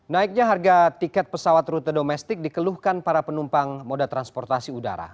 naiknya harga tiket pesawat rute domestik dikeluhkan para penumpang moda transportasi udara